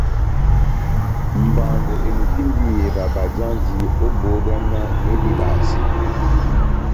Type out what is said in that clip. Mbando elukindi iyeva bajanji ó bohó bbwá náh edibase.